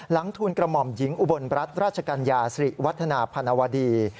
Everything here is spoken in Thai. หลังทูลกระหม่อมหญิงอุบลรัฐราชกรรยาศรีวัฒนาพนวดี